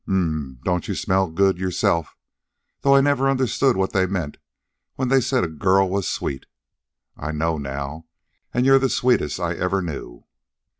"Um um m m m! Don't you smell good yourself, though! I never understood what they meant when they said a girl was sweet. I know, now. And you're the sweetest I ever knew."